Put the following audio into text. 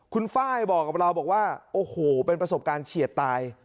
คุณไฟล์บอกกับเราบอกว่าโอ้โหเป็นประสบการณ์เฉียดตาย